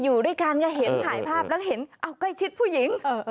อยู่ด้วยกันก็เห็นถ่ายภาพแล้วเห็นเอ้าใกล้ชิดผู้หญิง